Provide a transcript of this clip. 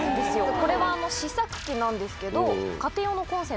これは試作機なんですけど。